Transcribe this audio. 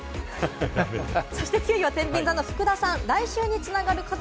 ９位はてんびん座の福田さん。